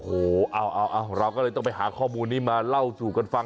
โอ้โหเอาเราก็เลยต้องไปหาข้อมูลนี้มาเล่าสู่กันฟัง